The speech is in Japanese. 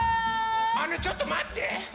あのちょっとまって！